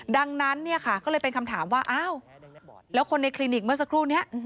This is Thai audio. ดังนั้นเนี่ยค่ะก็เลยเป็นคำถามว่าอ้าวแล้วคนในคลินิกเมื่อสักครู่นี้